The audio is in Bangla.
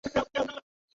হন্ডুরাসের রাজধানী।